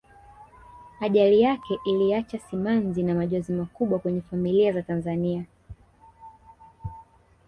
ajali yake iliacha simanzi na majonzi makubwa kwenye familia za tanzania